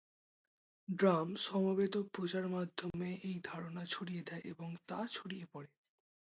Drum সমবেত প্রচার মাধ্যমে এই ধারণা ছড়িয়ে দেয় এবং তা ছড়িয়ে পড়ে।